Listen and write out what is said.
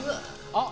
あっ！